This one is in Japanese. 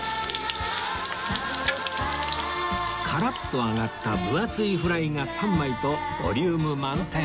カラッと揚がった分厚いフライが３枚とボリューム満点